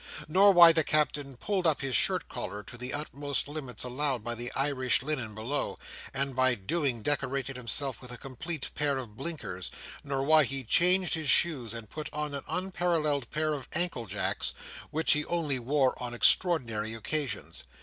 Nor why the Captain pulled up his shirt collar to the utmost limits allowed by the Irish linen below, and by so doing decorated himself with a complete pair of blinkers; nor why he changed his shoes, and put on an unparalleled pair of ankle jacks, which he only wore on extraordinary occasions.